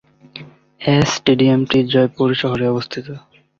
এ স্টেডিয়ামটি জয়পুর শহরে অবস্থিত।